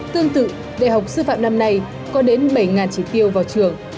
tương tự đại học sư phạm năm nay có đến bảy chỉ tiêu vào trường